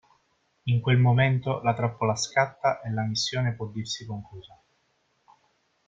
In quel momento la trappola scatta e la missione può dirsi conclusa.